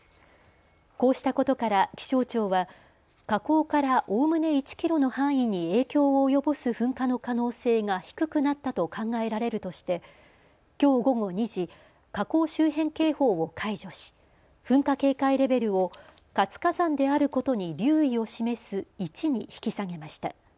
こうしたことから気象庁は火口からおおむね１キロの範囲に影響を及ぼす噴火の可能性が低くなったと考えられるとしてきょう午後２時、火口周辺警報を解除し、噴火警戒レベルを活火山であることに留意を示す１に引き下げました。